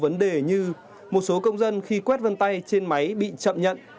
vấn đề như một số công dân khi quét vân tay trên máy bị chậm nhận